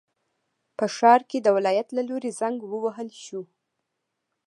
په ښار کې د ولایت له لوري زنګ ووهل شو.